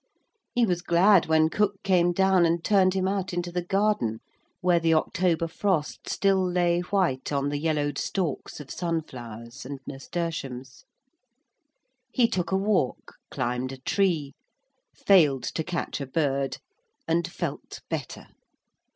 He was glad when cook came down and turned him out into the garden, where the October frost still lay white on the yellowed stalks of sunflowers and nasturtiums. He took a walk, climbed a tree, failed to catch a bird, and felt better.